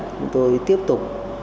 chúng tôi tiếp tục